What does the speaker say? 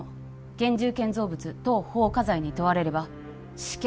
現住建造物等放火罪に問われれば死刑